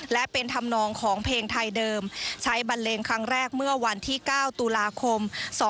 และเป็นธรรมนองของเพลงไทยเดิมใช้บันเลงครั้งแรกเมื่อวันที่๙ตุลาคม๒๕๖